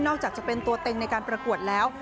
จากจะเป็นตัวเต็งในการประกวดแล้ว